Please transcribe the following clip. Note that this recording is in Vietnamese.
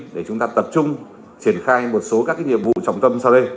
để chúng ta tập trung triển khai một số các nhiệm vụ trọng tâm sau đây